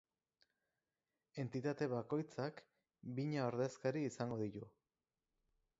Entitate bakoitzak bina ordezkari izango ditu.